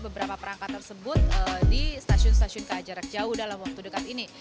beberapa perangkat tersebut di stasiun stasiun ka jarak jauh dalam waktu dekat ini